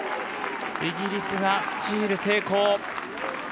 イギリスがスチール成功。